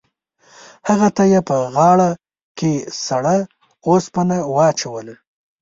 هغه ته یې په غاړه کې سړه اوسپنه واچوله.